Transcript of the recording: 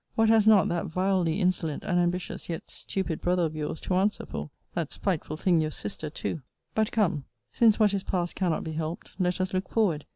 What has not that vilely insolent and ambitious, yet stupid, brother of your's to answer for? that spiteful thing your sister too! But come, since what is past cannot be helped, let us look forward.